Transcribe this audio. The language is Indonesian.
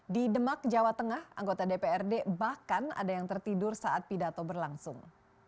di demak jawa tengah anggota dprd bahkan ada yang tertidur saat pidato berlangsung